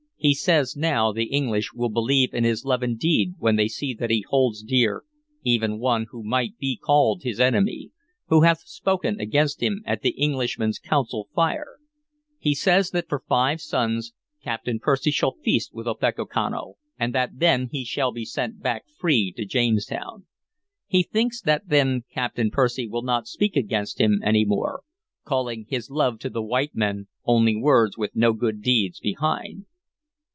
"He says that now the English will believe in his love indeed when they see that he holds dear even one who might be called his enemy, who hath spoken against him at the Englishmen's council fire. He says that for five suns Captain Percy shall feast with Opechancanough, and that then he shall be sent back free to Jamestown. He thinks that then Captain Percy will not speak against him any more, calling his love to the white men only words with no good deeds behind."